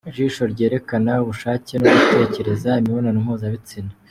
Ijisho ryerekana ubushake no gutekereza imibonano mpuzabitsina